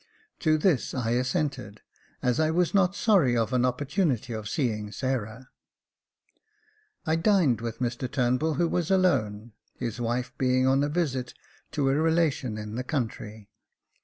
To this I assented, as I was not sorry of an opportunity of seeing Sarah. I dined with Mr Turnbull, who was alone, his wife being on a visit to a relation in the country.